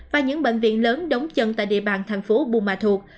và những bệnh viện lớn đóng chân tại địa bàn thành phố bùa mà thuộc